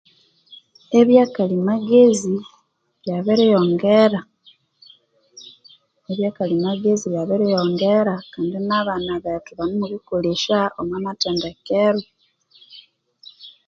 Ebyakalimagezi byabiriyongera ebyakalimagezi byabiriyongera kandi na bana bethu banimubikolesya omwa mathendekero